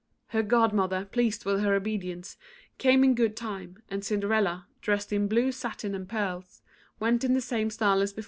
Her godmother, pleased with her obedience, came in good time, and Cinderella, dressed in blue satin and pearls, went in the same style as before.